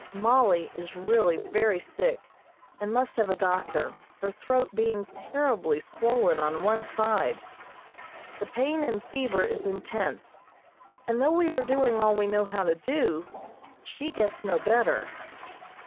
Mollie is really very sick, and must have a doctor, her throat being terribly swollen on one side. The pain and fever is intense, and though we are doing all we know how to do, she gets no better.